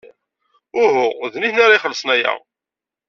Uhu, d nitni ara ixellṣen aya.